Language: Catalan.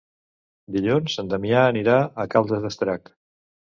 Dilluns en Damià anirà a Caldes d'Estrac.